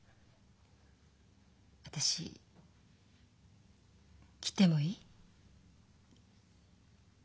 私来てもいい？